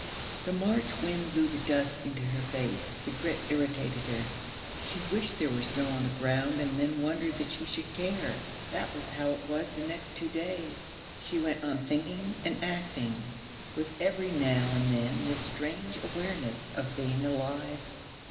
The March wind blew the dust into her face. The grit irritated her. She wished there were snow on the ground and then wondered that she should care. That was how it was the next two days: she went on thinking and acting, with every now and then this strange awareness of being alive.